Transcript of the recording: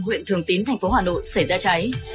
huyện thường tín thành phố hà nội xảy ra cháy